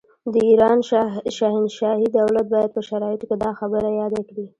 د ایران شاهنشاهي دولت باید په شرایطو کې دا خبره یاده کړي.